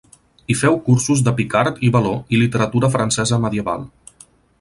Hi feu cursos de picard i való i literatura francesa medieval.